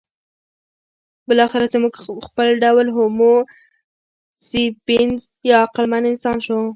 بالاخره زموږ خپل ډول هومو سیپینز یا عقلمن انسان شو.